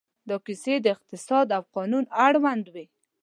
دا کیسې د اقتصاد او قانون اړوند وې.